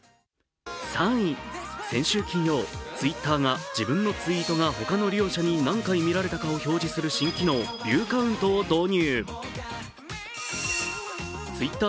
先週金曜、Ｔｗｉｔｔｅｒが自分のツイートがほかの利用者に何回見られたかを表示する新機能、ビューカウントを導入。